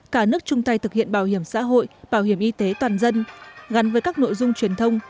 cả nước chung tay thực hiện bảo hiểm xã hội bảo hiểm y tế toàn dân gắn với các nội dung truyền thông